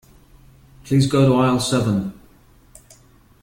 Please go to aisle seven.